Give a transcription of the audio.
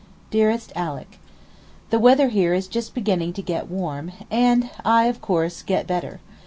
DEAREST ALICK, The weather here is just beginning to get warm, and I of course to get better.